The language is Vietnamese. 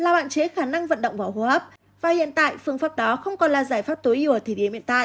là bản chế khả năng vận động vào hô hấp và hiện tại phương pháp đó không còn là giải pháp tối ưu ở thời điểm hiện tại